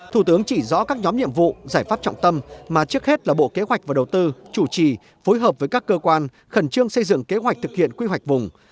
thủ tướng chỉ rõ các nhóm nhiệm vụ giải pháp trọng tâm mà trước hết là bộ kế hoạch và đầu tư chủ trì phối hợp với các cơ quan khẩn trương xây dựng kế hoạch thực hiện quy hoạch vùng